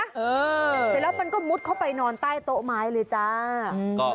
เสร็จแล้วมันก็มุดเข้าไปนอนใต้โต๊ะไม้เลยจ้า